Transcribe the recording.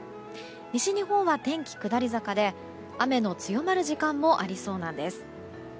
西日本は天気が下り坂で雨の強まる時間もありそうなんです。